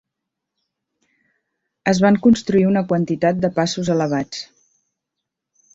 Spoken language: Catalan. Es van construir una quantitat de passos elevats.